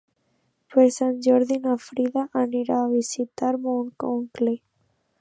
Per Sant Jordi na Frida anirà a visitar mon oncle.